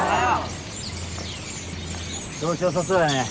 調子よさそうやね。